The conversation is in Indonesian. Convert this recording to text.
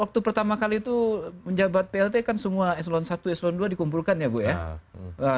waktu pertama kali itu menjabat plt kan semua eselon satu eselon dua dikumpulkan ya bu ya